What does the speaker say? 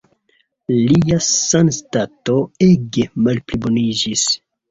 Lia sanstato ege malpliboniĝis.